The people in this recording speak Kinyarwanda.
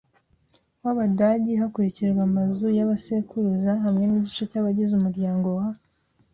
w Abagadi hakurikijwe amazu ya ba sekuruza hamwe n igice cy abagize umuryango wa